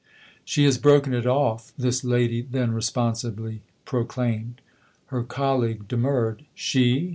" She has broken it off! " this lady then responsibly proclaimed. Her colleague demurred. "She?